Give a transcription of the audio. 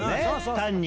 単に。